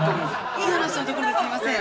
いい話のところですみません。